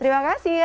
terima kasih ya